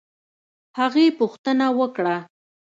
هغې پوښتنه وکړه